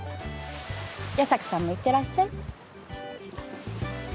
矢差暮さんも行ってらっしゃい。